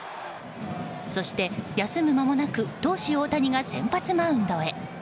そして、休む間もなく投手・大谷が先発マウンドへ。